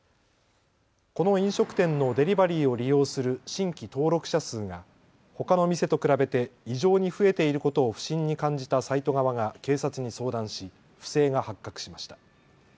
この飲食店のデリバリーを利用する新規登録者数がほかの店と比べて異常に増えていることを不審に感じたサイト側が警察に相談し不正が発覚しました。